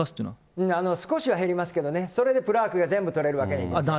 少しは減りますけどね、それでプラークが全部取れるわけではありません。